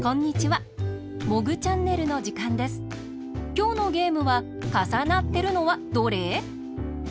きょうのゲームは「かさなってるのはどれ？」。